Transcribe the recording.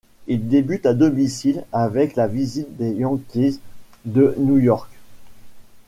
Elle débute à domicile avec la visite des Yankees de New York.